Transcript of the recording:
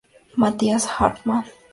Matthias Hartmann.